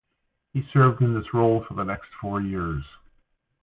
He served in this role for the next four years.